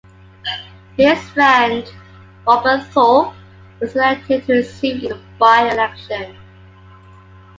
His friend, Robert Thorpe, was elected to his seat in a by-election.